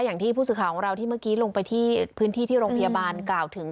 อย่างที่ผู้สื่อข่าวของเราที่เมื่อกี้ลงไปที่พื้นที่ที่โรงพยาบาลกล่าวถึง